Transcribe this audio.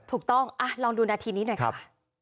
ถูกต้องลองดูหน้าที่นี่หน่อยครับ